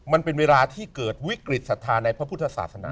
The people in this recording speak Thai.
มันเป็นเวลาที่เกิดวิกฤตศรัทธาในพระพุทธศาสนา